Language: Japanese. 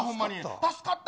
助かった？